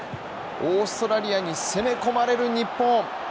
オーストラリアに攻め込まれる日本。